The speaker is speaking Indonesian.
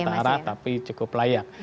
ya sementara tapi cukup layak